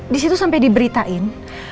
di situ sampai diberitain